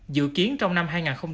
dự kiến trong năm hai nghìn hai mươi bốn